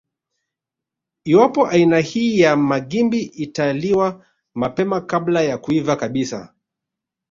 Iwapo aina hii ya magimbi italiwa mapema kabla ya kuiva kabisa